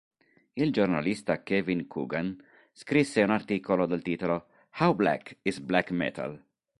Il giornalista Kevin Coogan scrisse un articolo dal titolo "How Black Is Black Metal?